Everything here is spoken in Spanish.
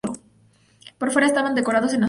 Por fuera estaban decorados en azul.